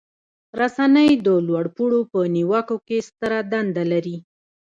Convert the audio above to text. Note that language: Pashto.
رسنۍ د لوړ پوړو په نیوکو کې ستره دنده لري.